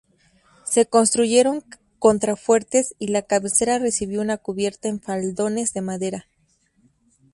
Se construyeron contrafuertes y la cabecera recibió una cubierta en faldones de madera.